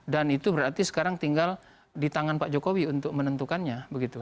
dan itu berarti sekarang tinggal di tangan pak jokowi untuk menentukannya